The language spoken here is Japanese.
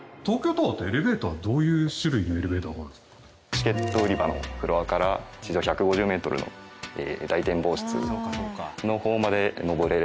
チケット売り場のフロアから地上１５０メートルの大展望室の方まで昇るエレベーター。